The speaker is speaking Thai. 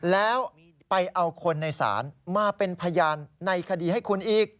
แล้วไปเอาคนในศาลมาเป็นพยานในคดีให้คุณอีก